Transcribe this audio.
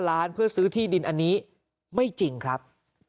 ล้านเพื่อซื้อที่ดินอันนี้ไม่จริงครับ